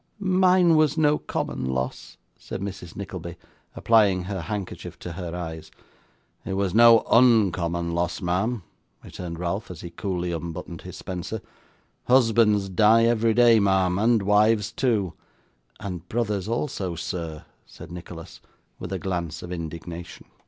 'Mine was no common loss!' said Mrs. Nickleby, applying her handkerchief to her eyes. 'It was no UNcommon loss, ma'am,' returned Ralph, as he coolly unbuttoned his spencer. 'Husbands die every day, ma'am, and wives too.' 'And brothers also, sir,' said Nicholas, with a glance of indignation.